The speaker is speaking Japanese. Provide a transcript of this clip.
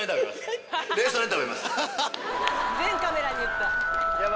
全カメラに言った。